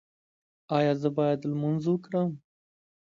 ایا زه باید لمونځ وکړم؟